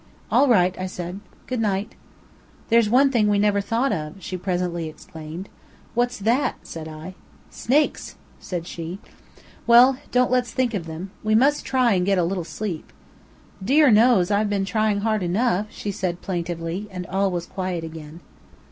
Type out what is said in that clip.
"All right," I said. "Good night!" "There's one thing we never thought of!" she presently exclaimed. "What's that," said I. "Snakes," said she. "Well, don't let's think of them. We must try and get a little sleep." "Dear knows! I've been trying hard enough," she said, plaintively, and all was quiet again.